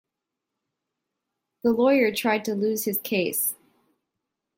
The lawyer tried to lose his case.